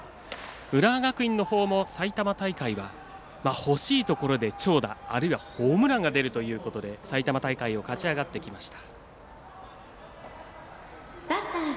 浦和学院も埼玉大会はほしいところで長打あるいはホームランが出るということで埼玉大会を勝ち上がってきました。